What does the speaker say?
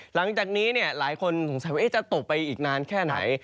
หลังจากนี้หลายคนสงสัยว่าจะตกไปอีกนานแค่ไหน